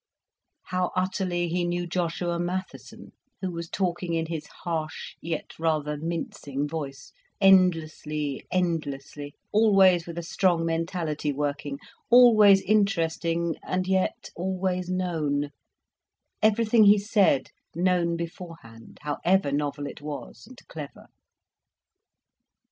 How utterly he knew Joshua Mattheson, who was talking in his harsh, yet rather mincing voice, endlessly, endlessly, always with a strong mentality working, always interesting, and yet always known, everything he said known beforehand, however novel it was, and clever.